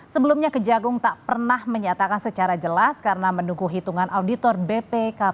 sebelumnya kejagung tak pernah menyatakan secara jelas karena mendukung hitungan auditor bpkp